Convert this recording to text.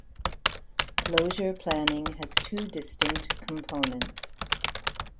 Closure planning has two distinct components.